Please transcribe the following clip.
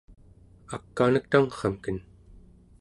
ak'anek tangrramken